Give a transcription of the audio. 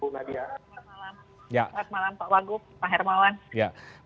selamat malam selamat malam pak wagub pak hermawan